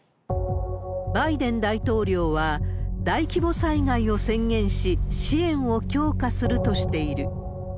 バイデン大統領は、大規模災害を宣言し、支援を強化するとしている。